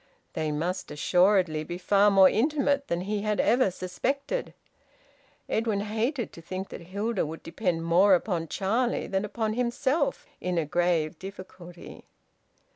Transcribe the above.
They must assuredly be far more intimate than he had ever suspected. Edwin hated to think that Hilda would depend more upon Charlie than upon himself in a grave difficulty.